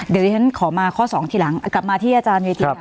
เดี๋ยวที่ฉันขอมาข้อ๒ทีหลังกลับมาที่อาจารย์เวทีค่ะ